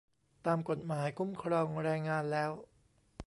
ตามกฎหมายคุ้มครองแรงงานแล้ว